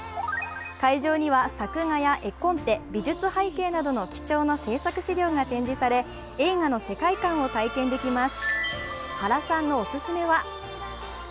会場には作画や絵コンテ美術背景などの貴重な制作資料が展示され映画の世界観を体験できます。